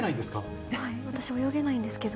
私、泳げないんですけど。